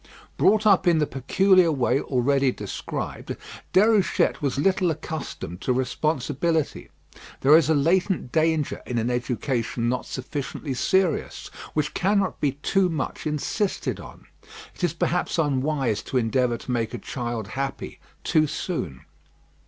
Brought up in the peculiar way already described, Déruchette was little accustomed to responsibility. There is a latent danger in an education not sufficiently serious, which cannot be too much insisted on. It is perhaps unwise to endeavour to make a child happy too soon.